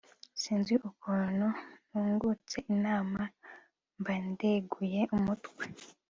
sinzi ukuntu nungutse inama mba ndeguye umutwe